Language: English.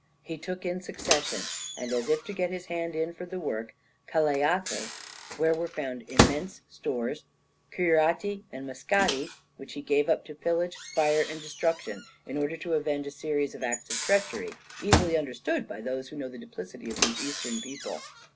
He took in succession, and as if to get his hand in for the work, Calayati, where were found immense stores, Curiaty and Mascati, which he gave up to pillage, fire, and destruction, in order to avenge a series of acts of treachery easily understood by those who know the duplicity of these eastern people.